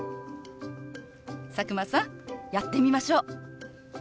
佐久間さんやってみましょう。